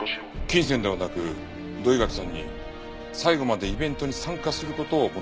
金銭ではなく土居垣さんに最後までイベントに参加する事を求めています。